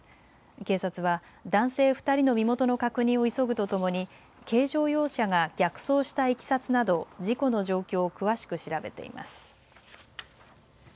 警察は男性２人の身元の確認を急ぐとともに軽乗用車が逆走したいきさつなど事故の状況を詳しく調べています。